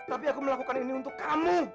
tapi aku melakukan ini untuk kamu